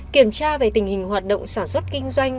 kiểm tra về tình hình hoạt động sản xuất kinh doanh